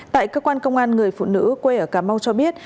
tại cơ quan công an người phụ nữ quê ở cà mau cho biết